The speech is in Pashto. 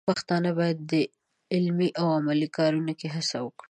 پښتانه بايد د علمي او عملي کارونو کې هڅه وکړي.